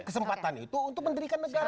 kesempatan itu untuk mendirikan negara